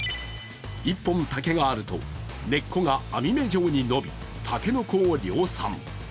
１本、竹があると根っこが網目状に延び、竹の子を量産。